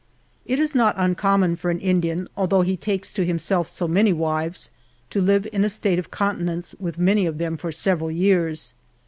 It is not uncommon for an Indian, although he takes to himself so many wives, to live in a state of continence with many of them for several years.